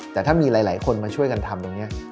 แต่ถ้ามีหลายคนมาช่วยกันทำตรงนี้